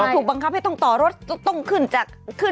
ถูกบังคับให้ต้องต่อรถต้องขึ้นจากขึ้น